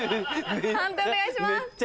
判定お願いします。